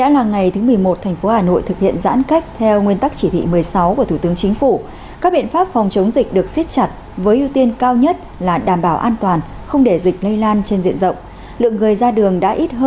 trong thời gian thực hiện giãn cách thì lực lượng giao thông cũng sẽ phối hợp với các lực lượng tại các cây chốt kiểm dịch